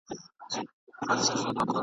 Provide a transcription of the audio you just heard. شپه به مي وباسي له ښاره څخه ..